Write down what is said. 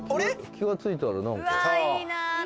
気が付いたら何か。